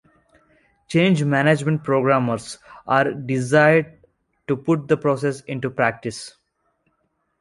Change management programmes are desired to put the processes into practice.